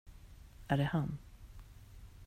Är det han?